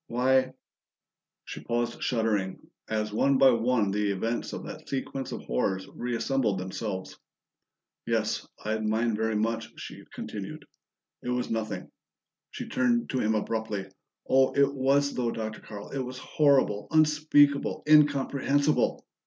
"Why ". She paused shuddering, as one by one the events of that sequence of horrors reassembled themselves. "Yes, I'd mind very much," she continued. "It was nothing " She turned to him abruptly. "Oh, it was, though, Dr. Carl! It was horrible, unspeakable, incomprehensible!